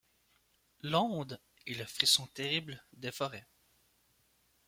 L'onde, et le frisson terrible, des forêts.